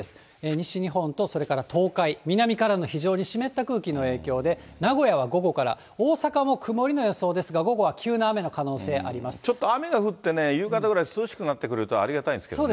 西日本と、それから東海、南からの非常に湿った空気の影響で、名古屋は午後から、大阪も曇りの予想ですが、午後は急な雨の可能ちょっと雨が降って、夕方ぐらいから涼しくなってくるとありがたいんですけどね。